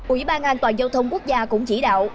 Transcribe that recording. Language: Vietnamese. ủy ban an toàn giao thông quốc gia cũng chỉ đạo